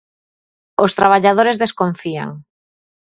Os traballadores desconfían.